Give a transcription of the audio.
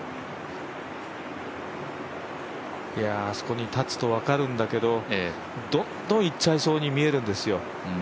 あそこに立つと分かるんだけどどんどん行っちゃいそうに見えるんですよ。